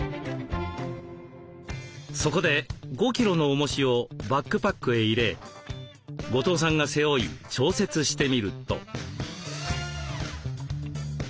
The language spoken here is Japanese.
そこで５キロのおもしをバックパックへ入れ後藤さんが背負い調節してみると。